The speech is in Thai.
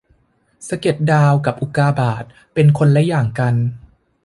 สะเก็ดดาวกับอุกาบาตเป็นคนละอย่างกัน